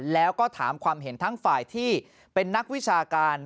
แล้วก็ถามความเห็นทั้งฝ่ายที่เป็นนักวิชาการ